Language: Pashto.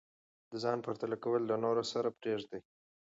د ځان پرتله کول له نورو سره پریږدئ.